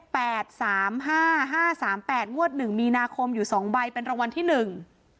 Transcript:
แปดสามห้าห้าสามแปดงวดหนึ่งมีนาคมอยู่สองใบเป็นรางวัลที่หนึ่ง